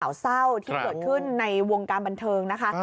ข่าวเศร้าที่เกิดขึ้นในวงการบันเทิงนะคะ